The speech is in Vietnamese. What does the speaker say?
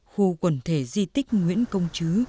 khu quần thể di tích nguyễn công chứ